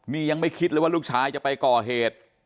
นี่ยังไม่คิดเลยว่าลูกชายจะไปก่อเหตุ